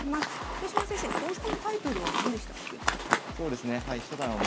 豊島先生講座のタイトルは何でしたっけ？